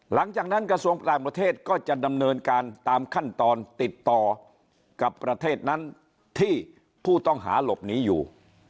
หลังจากนั้นกระทรวงต่างประเทศก็จะดำเนินการตามขั้นตอนติดต่อกับประเทศนั้นที่ผู้ต้องหาหลบหนีอยู่